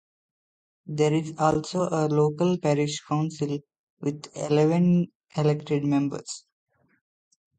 There is also a local Parish Council with eleven elected members.